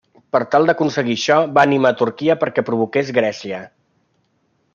Per tal d'aconseguir això, va animar Turquia perquè provoqués Grècia.